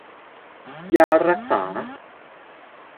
ยารักษา